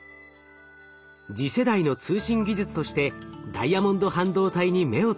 次世代の通信技術としてダイヤモンド半導体に目をつけます。